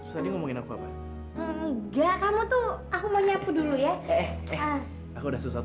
tadi ngomongin apa enggak kamu tuh aku mau nyapu dulu ya